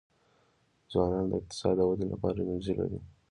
ځوانان د اقتصاد د ودي لپاره انرژي لري.